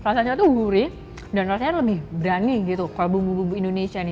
rasanya tuh gurih dan rasanya lebih berani gitu kalau bumbu bumbu indonesia nih